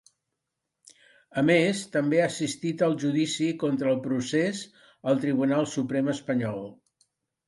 A més, també ha assistit al judici contra al procés al Tribunal Suprem espanyol.